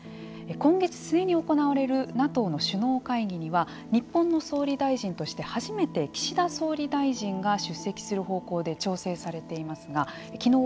今月末に行われるＮＡＴＯの首脳会議には日本の総理大臣として初めて岸田総理大臣が出席する方向で調整されていますがきのう